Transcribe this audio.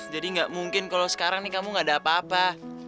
jadi gak mungkin kalau sekarang nih kamu gak ada apa apa